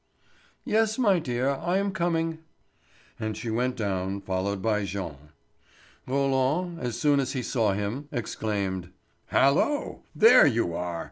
"Yes, my dear, I am coming." And she went down, followed by Jean. Roland, as soon as he saw him, exclaimed: "Hallo! There you are!